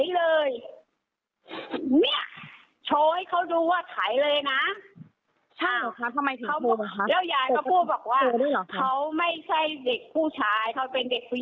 แล้วยายก็พูดบอกว่าเขาไม่ใช่เด็กผู้ชายเขาเป็นเด็กผู้หญิง